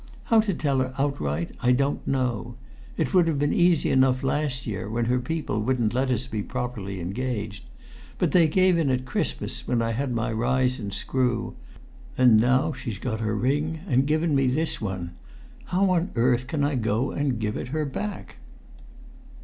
How to tell her outright I don't know. It would have been easy enough last year, when her people wouldn't let us be properly engaged. But they gave in at Christmas when I had my rise in screw; and now she's got her ring, and given me this one how on earth can I go and give it her back?"